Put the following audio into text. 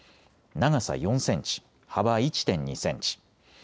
長さ４センチ、幅１．２センチ。